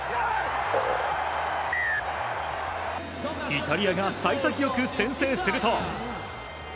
イタリアが幸先よく先制すると。